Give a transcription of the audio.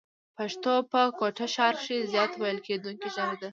پښتو په کوټه ښار کښي زیاته ويل کېدونکې ژبه ده.